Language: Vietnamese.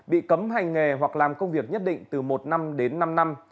bị cấm hành nghề hoặc làm công việc nhất định từ một năm đến năm năm